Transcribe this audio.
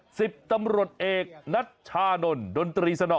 หสิบตำรวจเอกนัตชาหนนดนตรีสน